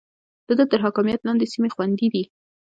د ده تر حاکميت لاندې سيمې خوندي دي.